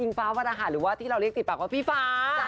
ฟ้าวันอาหารหรือว่าที่เราเรียกติดปากว่าพี่ฟ้า